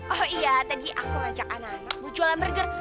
oh iya tadi aku ajak anak anak buat jualan burger